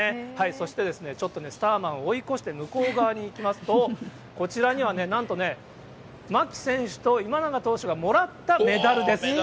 そしてちょっとね、スターマンを追い越して向こう側に行きますと、こちらにはなんとね、牧選手と今永投手がもらったメダルです。